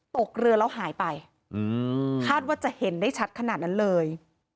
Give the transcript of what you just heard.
ตกเรือแล้วหายไปคาดว่าจะเห็นได้ชัดขนาดนั้นเลย